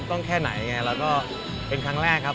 แค่ไหนไงแล้วก็เป็นครั้งแรกครับ